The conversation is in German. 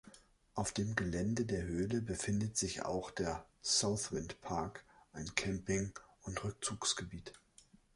Auf dem Gelände der Höhle befindet sich auch der "Southwind Park", ein Camping- und Rückzugsgebiet.